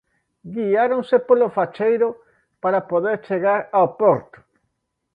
Guiáronse polo facheiro para poder chegar ao porto.